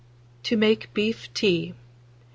TO MAKE BEEF TEA. 1858.